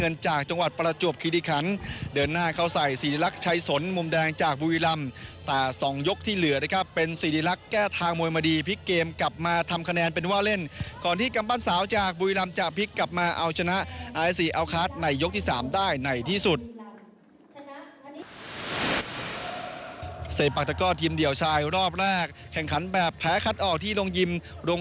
เอาชนะกันดพรสิงหะบุภาและภิพงธนาชัยคู่ของสรบุรีที่ได้เงินไปถึง๓๐๓คะแนน